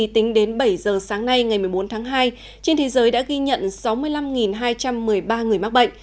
tính đến bảy giờ sáng nay ngày một mươi bốn tháng hai trên thế giới đã ghi nhận sáu mươi năm hai trăm một mươi ba người mắc bệnh